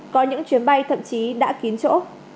có những chuyến bay thậm chí đã kín chỗ